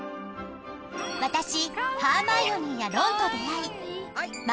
私ハーマイオニーやロンと出会い。